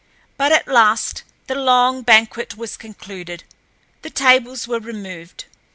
But at last the long banquet was concluded. The tables were removed.